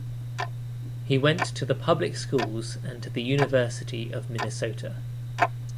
He went to the public schools and to University of Minnesota.